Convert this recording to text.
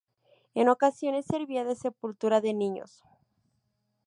En ocasiones servía de sepultura de niños.